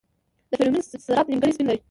د فرمیون ذرات نیمګړي سپین لري.